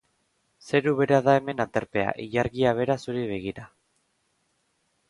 Zeru bera da hemen aterpea, ilargia bera zuri begira.